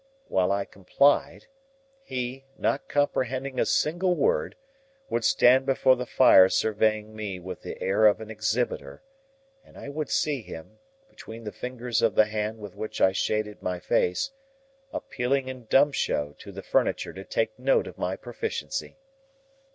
While I complied, he, not comprehending a single word, would stand before the fire surveying me with the air of an Exhibitor, and I would see him, between the fingers of the hand with which I shaded my face, appealing in dumb show to the furniture to take notice of my proficiency.